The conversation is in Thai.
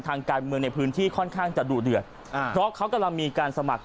ทางการเมืองในพื้นที่ค่อนข้างจะดูเดือดอ่าเพราะเขากำลังมีการสมัคร